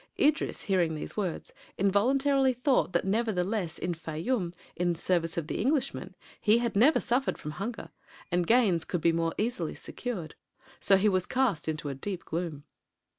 Idris, hearing these words, involuntarily thought that nevertheless in Fayûm, in the service of the Englishmen, he had never suffered from hunger, and gains could be more easily secured; so he was cast into a deep gloom.